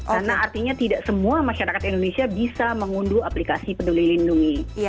karena artinya tidak semua masyarakat indonesia bisa mengunduh aplikasi peduli lindungi